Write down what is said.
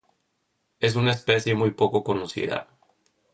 Es una especie muy poco conocida.